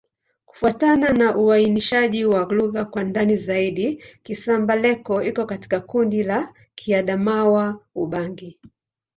Kufuatana na uainishaji wa lugha kwa ndani zaidi, Kisamba-Leko iko katika kundi la Kiadamawa-Ubangi.